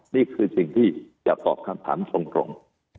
นี่คือสิ่งที่จะตอบคำถามตรง